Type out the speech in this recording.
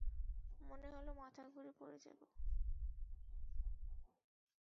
মনে হল মাথা ঘুরে পড়ে যাব।